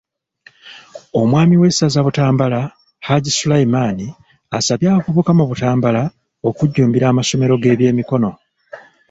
Omwami w'essaza Butambala, Hajji Sulaiman asabye abavubuka mu Butambala okujjumbira amasomo g'ebyemikono.